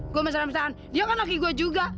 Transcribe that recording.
gue masalah masalahan dia kan laki gue juga